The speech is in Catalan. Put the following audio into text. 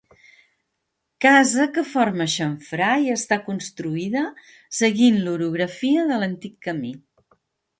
Casa que forma xamfrà i està construïda seguint l'orografia de l'antic camí.